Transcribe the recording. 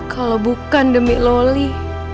kalo bukan demi loli